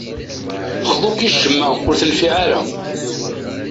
Xḍu-k i ccemma, ur tenfiɛ ara.